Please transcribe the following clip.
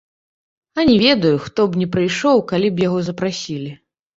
А не ведаю, хто б не прыйшоў, калі б яго запрасілі.